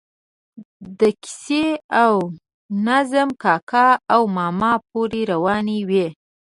د کیسې او نظم کاکا او ماما پورې روانې وي.